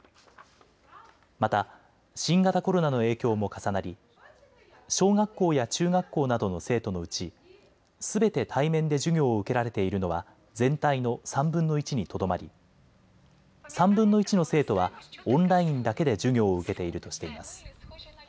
また新型コロナの影響も重なり小学校や中学校などの生徒のうちすべて対面で授業を受けられているのは全体の３分の１にとどまり３分の１の生徒はオンラインだけで授業を受けているとしています。